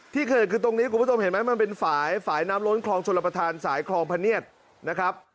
ที่เกิดคือตรงนี้คุณผู้ชมเห็นไหมมันเป็นฝ่ายฝ่ายน้ำล้นคลองชลประธานสายคลองพะเนียดนะครับ